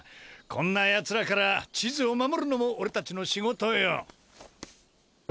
こんなヤツらから地図を守るのもおれたちの仕事よ。